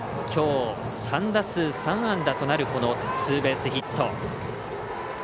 きょう３打数３安打となるこのツーベースヒット。